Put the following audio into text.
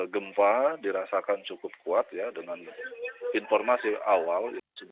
gempa dirasakan cukup kuat ya dengan informasi awal